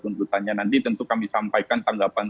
tuntutannya nanti tentu kami sampaikan tanggapan